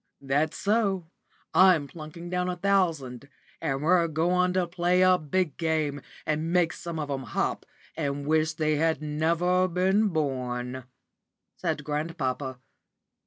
"That's so! I'm planking down a thousand; and we're goin' to play a big game and make some of 'em hop, and wish they had never been born," said grandpapa.